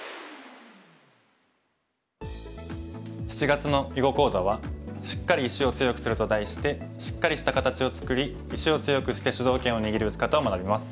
７月の囲碁講座は「シッカリ石を強くする」と題してシッカリした形を作り石を強くして主導権を握る打ち方を学びます。